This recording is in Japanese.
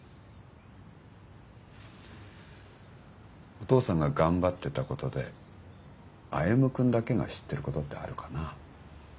お父さんが頑張ってたことで歩君だけが知ってることってあるかな。